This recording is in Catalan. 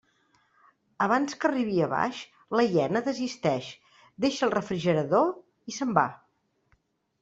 Abans que arribi a baix, la hiena desisteix, deixa el refrigerador i se'n va.